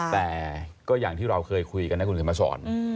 แต่ก็อย่างที่เราเคยคุยกันนะคุณเขียนมาสอน